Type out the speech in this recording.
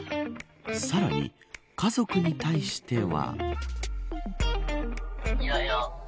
さらに、家族に対しては。